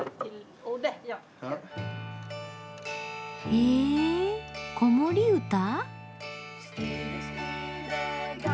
へぇ子守歌？